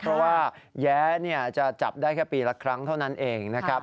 เพราะว่าแย้จะจับได้แค่ปีละครั้งเท่านั้นเองนะครับ